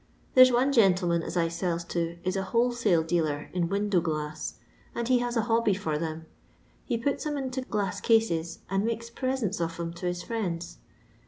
There 's one gentle man as I sells to is a wholesale dealer in window glass — and he has a hobby for them. He puts 'em into glass cases, and makes presents of 'em to his friends.